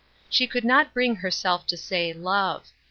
— she could not bring herself to say love.